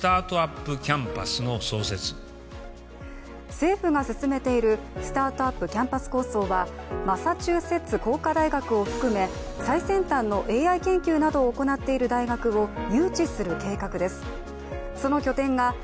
政府が進めているスタートアップ・キャンパス構想はマサチューセッツ工科大学を含め最先端のＡＩ研究などを建設されることが明らかになりました。